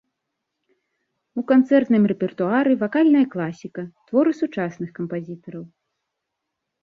У канцэртным рэпертуары вакальная класіка, творы сучасных кампазітараў.